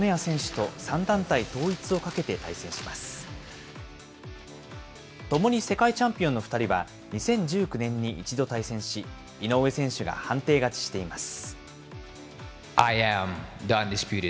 ともに世界チャンピオンの２人は、２０１９年に一度対戦し、井上選手が判定勝ちしています。